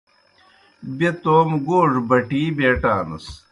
بیْہ توموْ گوڙہ بَٹِی بیٹانَس۔